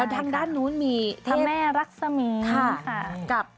แล้วด้านด้านนู้นมีเทพช์ธรรมแมรักสมีศ์ค่ะ